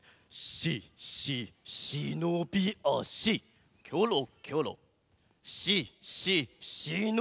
「しししのびあしキョロキョロ」